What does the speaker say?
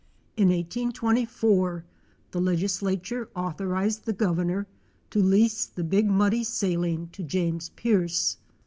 In 1 824 the legislature authorized the Governor to lease the Big Muddy saline to James Pearce.